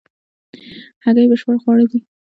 هګۍ بشپړ خواړه دي